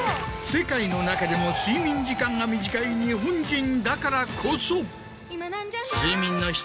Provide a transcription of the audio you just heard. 世界の中でも睡眠時間が短い日本人だからこそ。